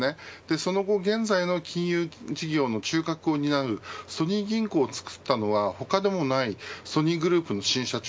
その後現在の金融事業の中核を担うソニー銀行を作ったのは他でもないソニーグループの新社長